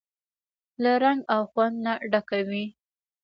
له رنګ او خوند نه ډکه وي.